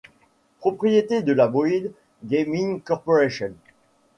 Propriété de la Boyd Gaming Corporation.